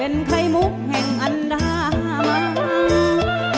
เป็นไข่มุกแห่งอันดามัน